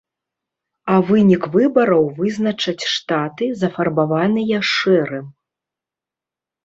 А вынік выбараў вызначаць штаты, зафарбаваныя шэрым.